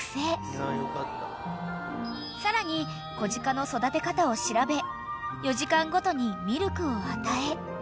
［さらに子鹿の育て方を調べ４時間ごとにミルクを与え］